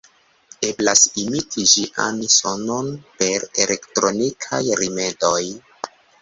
Eblas imiti ĝian sonon per elektronikaj rimedoj.